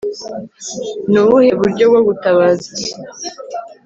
Ni ubuhe buryo bwo gutabaza isi